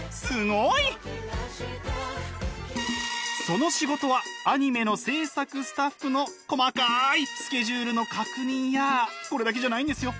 その仕事はアニメの制作スタッフの細かいスケジュールの確認やこれだけじゃないんですよ。